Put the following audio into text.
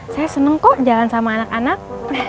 saya senang kok jalan sama anak anak